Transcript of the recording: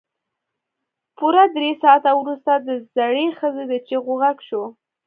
پوره درې ساعته وروسته د زړې ښځې د چيغو غږ شو.